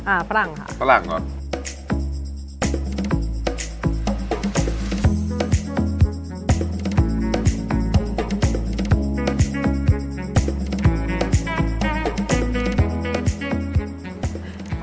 ฝรั่งค่ะฝรั่งเหรอ